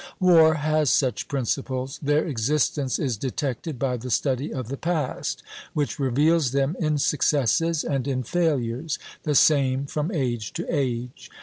War has such principles; their existence is detected by the study of the past, which reveals them in successes and in failures, the same from age to age.